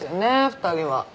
２人は。